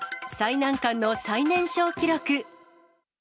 最難関の最年少記録。